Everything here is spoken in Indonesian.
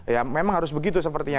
ya memang harus begitu sepertinya